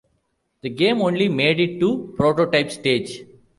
The game only made it to prototype stage.